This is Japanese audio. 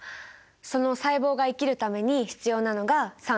その細胞が生きるために必要なのが酸素と栄養。